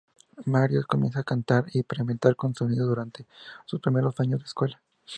Marius comenzó a cantar y experimentar con sonidos durante sus primeros años de escuela.